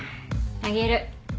あげる。